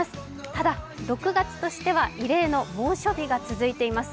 ただ、６月としては異例の猛暑日が続いています。